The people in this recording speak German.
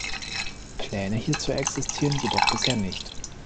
Pläne hierzu existieren jedoch bisher nicht.